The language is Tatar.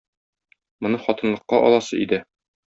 Моны хатынлыкка аласы иде.